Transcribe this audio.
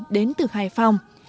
đến từ hải phòng